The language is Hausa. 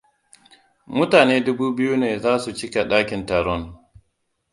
Mutane dubu biyu ne za su cika ɗakin taron.